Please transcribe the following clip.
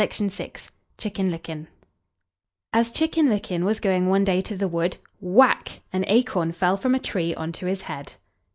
CHICKEN LICKEN As Chicken licken was going one day to the wood, whack! an acorn fell from a tree on to his head.